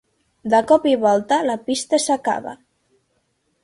De cop i volta la pista s'acaba.